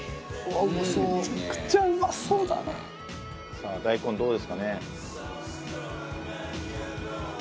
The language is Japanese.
さあ大根どうですかね？